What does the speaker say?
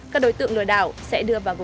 các đối tượng lừa đảo sẽ đưa vào